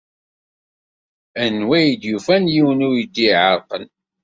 Anwa ay d-yufan yiwen weydi iɛerqen?